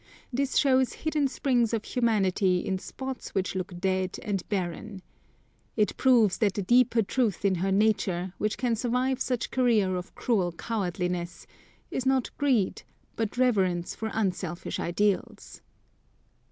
This shows hidden springs of humanity in spots which look dead and barren. It proves that the deeper truth in her nature, which can survive such career of cruel cowardliness, is not greed, but reverence for unselfish ideals.